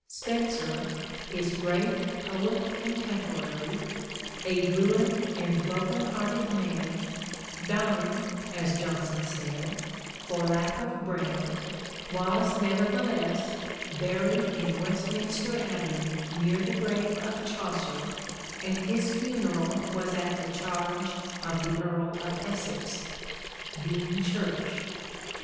Spenser, his great poet contemporary, "a ruined and broken hearted man," dying, as Jonson said, " for lack of bread," was nevertheless " buried in Westminster Abbey near the grave of Chaucer, and his funeral was at the charge of the Earl of Essex." (Dean Church.)